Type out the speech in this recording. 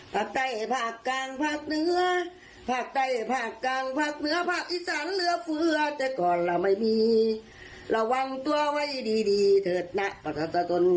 ภาคใต้ภาคกลางภาคเหนือภาคใต้ภาคกลางภาคเหนือภาคอีสานเหลือเฟือแต่ก่อนเราไม่มีระวังตัวไว้ดีดีเถิดนะประชาชน